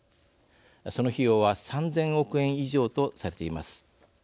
その費用は、３０００億円以上とされています。